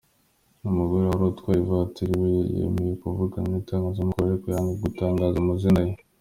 Umugore wari utwaye ivatiri we yemeye kuvugana n’itangazamakuru ariko yanga gutangaza amazina ye.